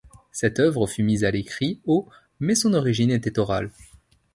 Cette œuvre fut mise à l'écrit au mais son origine était orale.